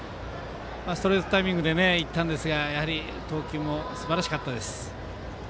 ストレートタイミングでいったんですが投球もすばらしかったです。